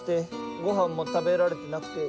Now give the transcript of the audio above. ごはんも食べられてなくて。